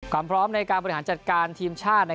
ความพร้อมในการบริหารจัดการทีมชาติ